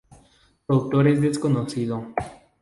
Su autor es desconocido.